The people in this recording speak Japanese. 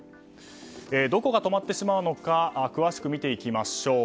どこが止まってしまうのか詳しく見ていきましょう。